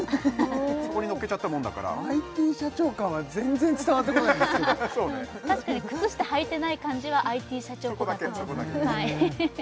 そこに乗っけちゃったもんだからＩＴ社長感は全然伝わってこないんですけど確かに靴下履いてない感じはＩＴ社長っぽかったです